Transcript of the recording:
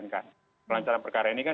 kelancaran perkara ini kan